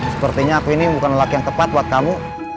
sepertinya aku ini bukan lelaki yang tepat buat kamu